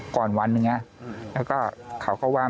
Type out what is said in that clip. ก่อนวันหนึ่งนะแล้วก็เขาก็ว่า